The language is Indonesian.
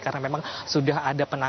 karena memang sudah ada penampilan